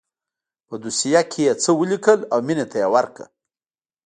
په دوسيه کښې يې څه وليکل او مينې ته يې ورکړه.